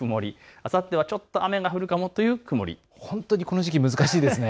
あさってはちょっと雨が降るかもという曇り。